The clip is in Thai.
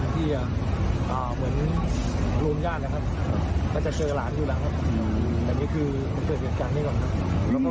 เติบอยู่ด้านข้าง